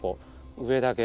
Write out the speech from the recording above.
上だけ。